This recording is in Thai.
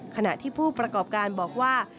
ขณะที่ผู้ประกอบการบอกว่า